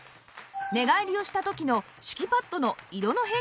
寝返りをした時の敷きパッドの色の変化に注目